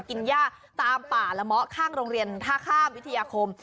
กินย่าตามป่าละเมาะข้างโรงเรียนท่าข้ามวิทยาคม